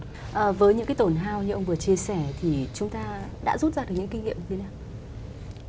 nhưng với những cái tổn hao như ông vừa chia sẻ thì chúng ta đã rút ra được những kinh nghiệm như thế nào